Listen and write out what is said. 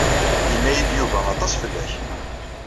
Yenna-yi-d Yuba aṭas fell-ak.